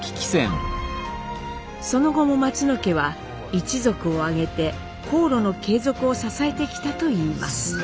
その後も松野家は一族を挙げて航路の継続を支えてきたといいます。